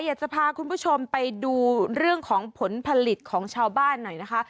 อยากจะพาคุณผู้ชมไปดูเรื่องของผลผลิตของชาวบ้านหน่อยนะคะ